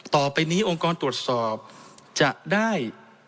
ต่อไปนี้องค์กรตรวจสอบจะได้